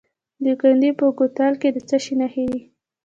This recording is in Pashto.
د دایکنډي په ګیتي کې د څه شي نښې دي؟